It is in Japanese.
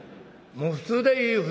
もう普通でいい。